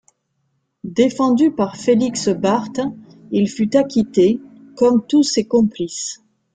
Défendu par Félix Barthe, il fut acquitté, comme tous ces complices.